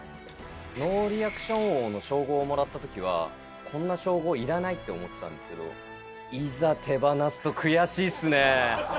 ノーリアクション王の称号をもらったときには、こんな称号いらないって思ってたんですけど、いざ手離すと悔しいっすね。